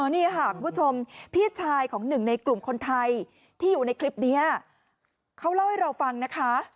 นี่ค่ะคุณผู้ชมพี่ชายของหนึ่งในกลุ่มคนไทยที่อยู่ในคลิปนี้เขาเล่าให้เราฟังนะคะ